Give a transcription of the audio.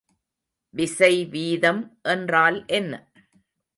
விசைவீதம் என்றால் என்ன?